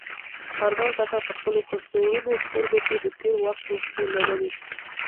ارمان کاکا په خپلو کڅوړنو سترګو کې د تېر وخت اوښکې لرلې.